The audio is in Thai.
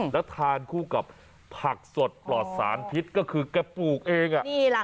แล้วทานคู่กับผักสดปลอดสารพิษก็คือแกปลูกเอง